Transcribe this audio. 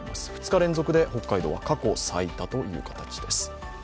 ２日連続で北海道は過去最多という形です。